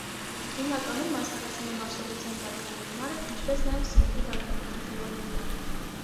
Հիմնականում մասնակցում է մարսողության կարգավորմանը, ինչպես նաև սննդի վարքագծի ձևավորմանը։